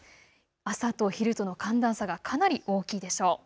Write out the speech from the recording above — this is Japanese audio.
朝と昼との寒暖差がかなり大きいでしょう。